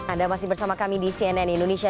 anda masih bersama kami di cnn indonesia